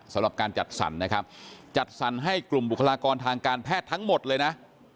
สำหรับการจัดสรรนะครับจัดสรรให้กลุ่มบุคลากรทางการแพทย์ทั้งหมดเลยนะ